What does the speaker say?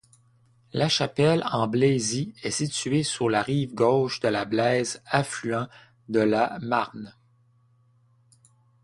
Lachapelle-en-Blaisy est située sur la rive gauche de la Blaise affluent de la Marne.